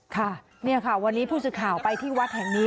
ค่ะนี่ค่ะวันนี้ผู้สื่อข่าวไปที่วัดแห่งนี้